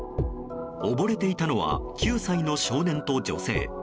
溺れていたのは９歳の少年と女性。